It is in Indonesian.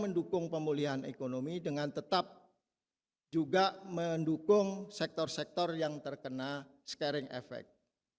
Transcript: mendukung pemulihan ekonomi dengan tetap juga mendukung sektor sektor yang terkena scaring effect